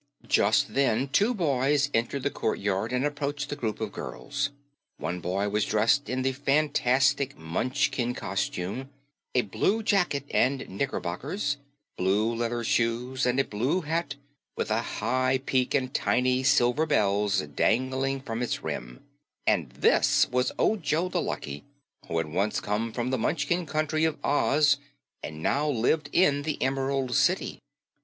Just then two boys entered the courtyard and approached the group of girls. One boy was dressed in the fantastic Munchkin costume a blue jacket and knickerbockers, blue leather shoes and a blue hat with a high peak and tiny silver bells dangling from its rim and this was Ojo the Lucky, who had once come from the Munchkin Country of Oz and now lived in the Emerald City.